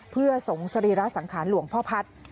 เพื่อส่งสรีระสังขารหลวงพ่อพัฒน์